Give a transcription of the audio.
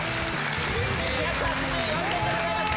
２８４点でございます。